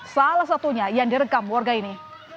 salah satunya yang direkam warga ini